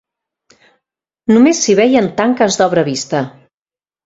Només s'hi veien tanques d'obra vista.